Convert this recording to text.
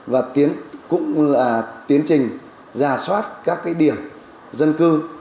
và tiến cũng là tiến trình ra soát các cái điểm dân cư